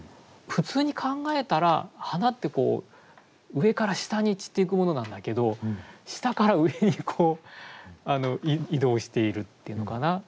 普通に考えたら花って上から下に散っていくものなんだけど下から上に移動しているっていうのかな。